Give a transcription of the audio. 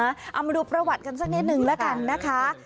เอามาดูประวัติกันสักนิดนึงแล้วกันนะคะ